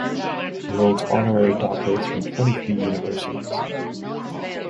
He holds honorary doctorates from twenty three universities.